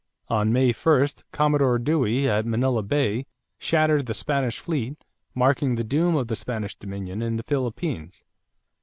On May 1, Commodore Dewey at Manila Bay shattered the Spanish fleet, marking the doom of Spanish dominion in the Philippines.